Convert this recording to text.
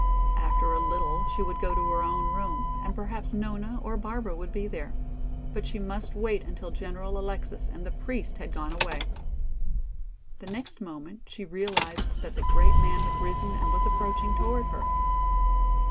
After a little she would go to her own room and perhaps Nona or Barbara would be there. But she must wait until General Alexis and the priest had gone away. The next moment she realized that the great man had risen and was approaching toward her.